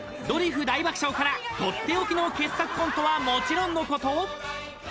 「ドリフ大爆笑」からとっておきの傑作コントはもちろんのこと